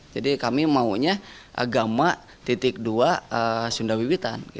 jadi kami maunya agama titik dua sunda wiwitan